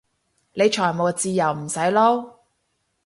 你財務自由唔使撈？